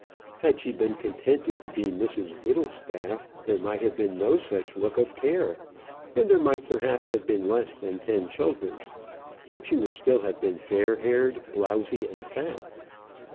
Had she been contented to be Mrs Whittlestaff, there might have been no such look of care, and there might perhaps have been less than ten children; but she would still have been fair haired, blowsy, and fat.